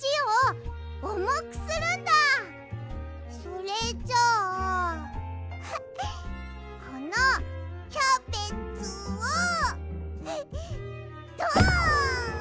それじゃあこのキャベツをドン！